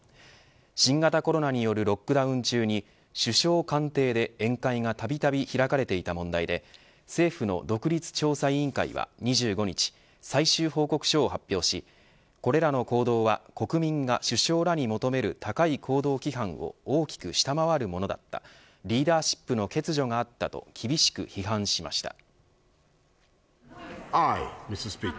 新型コロナによるロックダウン中に首相官邸で宴会がたびたび開かれていた問題で政府の独立調査委員会は２５日最終報告書を発表しこれらの行動は国民が首相らに求める高い行動規範を大きく下回るものだったリーダーシップの欠如があったと厳しく批判しました。